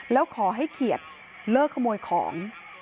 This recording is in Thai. แล้วขอให้เขียดเลิกขโมยของ